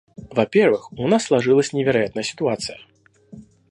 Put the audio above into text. Во-первых, у нас сложилась невероятная ситуация.